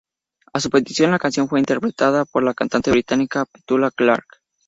A su petición, la canción fue interpretada por la cantante británica Petula Clark.